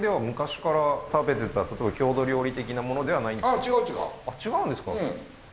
へえーあっ違うんですか？